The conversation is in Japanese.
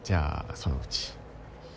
そのうち？